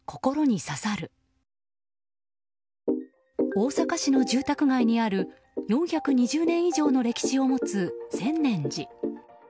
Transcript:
大阪市の住宅街にある４２０年以上の歴史を持つ専念寺。